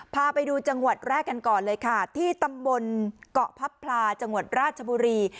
พาไปดูจังหวัดแรกกันก่อนเลยค่ะที่ตำบลเกาะพับพลาจังหวัดราชบุรี